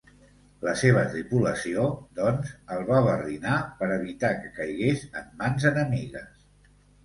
La seva tripulació, doncs, el va barrinar per evitar que caigués en mans enemigues.